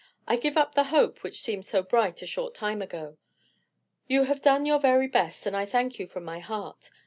I give up the hope which seemed so bright a short time ago. You have done your very best, and I thank you from my heart.